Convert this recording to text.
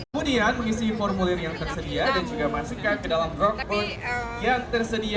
kemudian mengisi formulir yang tersedia dan juga masukkan ke dalam drophone yang tersedia